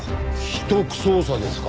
秘匿捜査ですか？